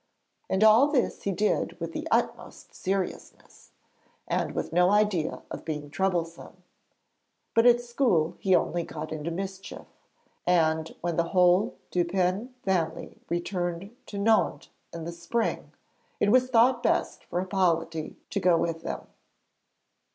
And all this he did with the utmost seriousness, and with no idea of being troublesome. But at school he only got into mischief, and when the whole Dupin family returned to Nohant in the spring, it was thought best for Hippolyte to go with them.